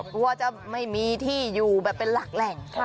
กลัวจะไม่มีที่อยู่แบบเป็นหลักแหล่ง